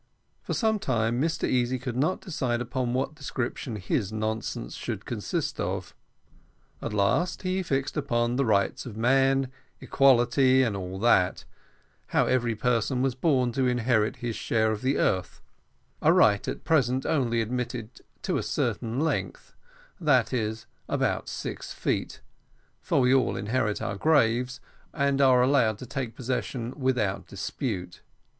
For some time, Mr Easy could not decide upon what description his nonsense should consist of; at last he fixed upon the rights of man, equality, and all that; how every person was born to inherit his share of the earth, a right at present only admitted to a certain length that is about six feet, for we all inherit our graves, and are allowed to take possession without dispute.